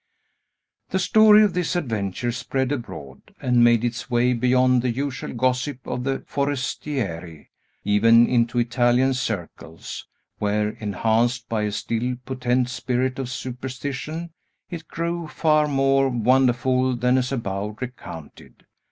The story of this adventure spread abroad, and made its way beyond the usual gossip of the Forestieri, even into Italian circles, where, enhanced by a still potent spirit of superstition, it grew far more wonderful than as above recounted.